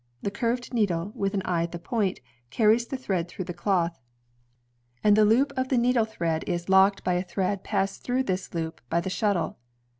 The curved needle, with an eye at the point, carries the thread through the cloth, and the loop of the needle thread ELIAS HOWE 131 is locked by a thread passed through this loop by the shuttle.